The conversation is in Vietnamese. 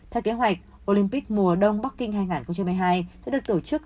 theo kế hoạch olympic mùa đông bắc kinh hai nghìn hai mươi hai sẽ được tổ chức